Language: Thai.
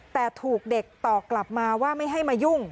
แต่ถูกเด็กตอบกลับมาว่าไม่ให้มายุ่ง